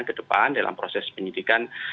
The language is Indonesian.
kedepan dalam proses penyidikan